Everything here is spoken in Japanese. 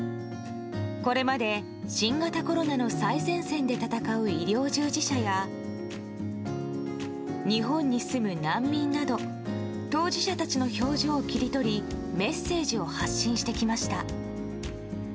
これまで新型コロナの最前線で闘う医療従事者や日本に住む難民など当事者たちの表情を切り取りメッセージを発信してきました。